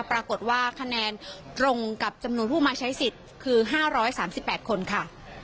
ปรากฏว่าคะแนนตรงกับจำนวนผู้มาใช้สิทธิ์คือ๕๓๘คนค่ะ